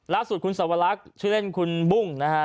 ล่าสุดคุณสวรรคชื่อเล่นคุณบุ้งนะฮะ